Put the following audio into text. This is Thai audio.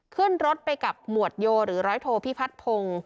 ขึ้นรถไปกับหมวดโยหรือร้อยโทพิพัฒน์พงศ์